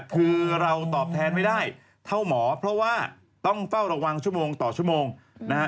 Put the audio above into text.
คือเราตอบแทนไม่ได้เท่าหมอเพราะว่าต้องเฝ้าระวังชั่วโมงต่อชั่วโมงนะฮะ